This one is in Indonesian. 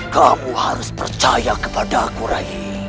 kamu harus percaya kepadaku rai